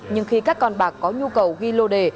nhưng khi các con bạc có nhu cầu ghi lô đề